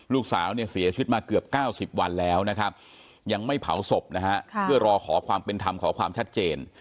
ลูกสาวเนี่ยเสียชีวิตมาเกือบ๙๐วันแล้วนะครับยังไม่เผาศพนะฮะเพื่อรอขอความเป็นธรรมขอความชัดเจน